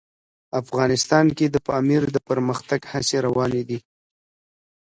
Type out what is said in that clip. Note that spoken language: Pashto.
افغانستان کې د پامیر د پرمختګ هڅې روانې دي.